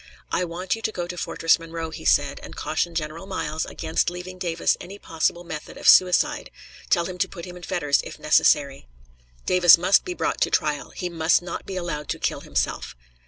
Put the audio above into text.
"I want you to go to Fortress Monroe," he said, "and caution General Miles against leaving Davis any possible method of suicide; tell him to put him in fetters, if necessary. Davis must be brought to trial; he must not be allowed to kill himself."